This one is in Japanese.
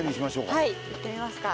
はい行ってみますか。